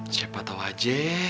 siapa tau aja